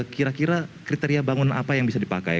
kira kira kriteria bangunan apa yang bisa dipakai